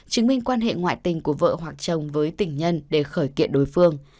chứng minh quan hệ ngoại tình của vợ hoặc chồng với tình nhân để khởi kiện đối phương